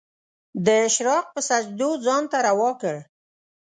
د اشراق په سجدو ځان ته روا کړ